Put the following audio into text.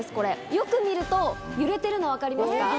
よく見ると揺れてるの分かりますか？